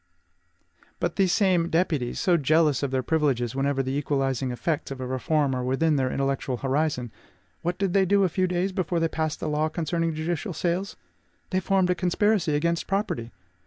But these same deputies, so jealous of their privileges whenever the equalizing effects of a reform are within their intellectual horizon, what did they do a few days before they passed the law concerning judicial sales? They formed a conspiracy against property!